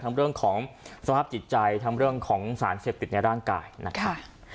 เรื่องของสภาพจิตใจทั้งเรื่องของสารเสพติดในร่างกายนะคะ